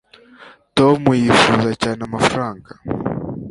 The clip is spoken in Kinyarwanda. tom yifuza cyane amafaranga